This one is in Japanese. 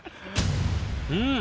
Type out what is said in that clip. うん。